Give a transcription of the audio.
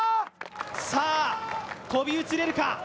さぁ、飛び移れるか。